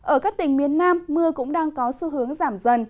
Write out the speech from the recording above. ở các tỉnh miền nam mưa cũng đang có xu hướng giảm dần